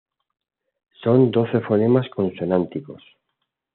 Son doce fonemas consonánticos.